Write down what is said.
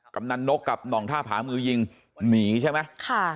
กำหนังนกกับนองห้าผามือยิงหนีใช่ไหม